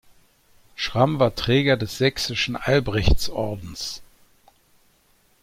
Schramm war Träger des Sächsischen Albrechtsordens.